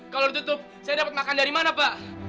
kalau ditutup saya dapat makan dari mana pak